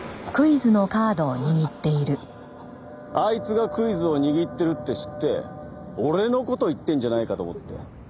あいつがクイズを握ってるって知って俺の事言ってんじゃないかと思って。